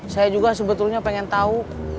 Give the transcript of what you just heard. saya juga sebetulnya pengen tahu